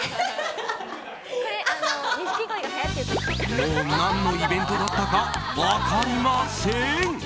もう何のイベントだったか分かりません！